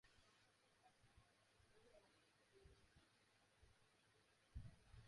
আন্তর্জাতিক হকি অঙ্গনে ভূমিকা রাখার পাশাপাশি তিনি একাধিকবার তার দেশকে সাফল্যের শীর্ষে নিতে অবদান রেখেছেন।